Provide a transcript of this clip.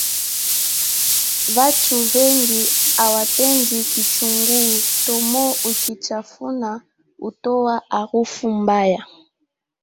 Vanchu vengi hawapendi kichunguu thomo ukichafuna hutowa harufu mbaya